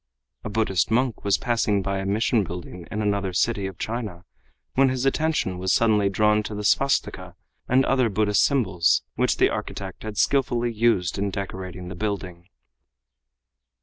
A Buddhist monk was passing by a mission building in another city' of China when his attention was suddenly drawn to the Svastika and other Buddhist symbols which the architect had skilfully used in decorating the building.